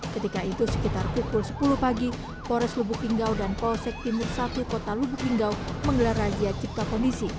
ketika itu sekitar pukul sepuluh pagi pores lubuk linggau dan polsek timur satu kota lubuk linggau menggelar razia cipta kondisi